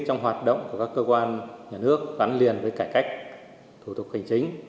trong hoạt động của các cơ quan nhà nước gắn liền với cải cách thủ tục hành chính